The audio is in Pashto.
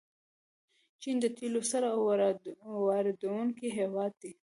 چین د تیلو ستر واردونکی هیواد دی.